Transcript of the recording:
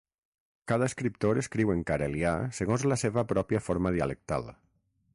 Cada escriptor escriu en carelià segons la seva pròpia forma dialectal.